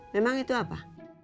memang itu apa